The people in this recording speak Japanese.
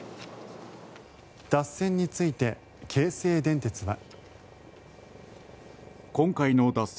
脱線について京成電鉄は。